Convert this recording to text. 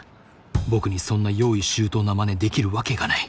僕にそんな用意周到なまねできるわけがない。